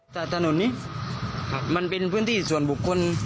แต่ถนนนี้มันเป็นพื้นที่ส่วนบุคคล